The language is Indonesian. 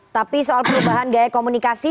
tapi soal perubahan gaya komunikasi